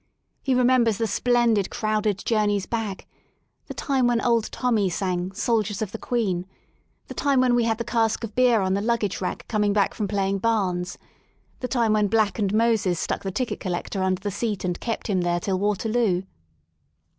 He remembers the splendid crowded journeys back — The time when Old Tommy sang * Soldiers of the Queen '"—The time when we had the i cask of beer on the luggage rack coming back from playing Barnes" — The time when Black and Moses stuck the ticket collector under the seat and kept him there till Waterloo."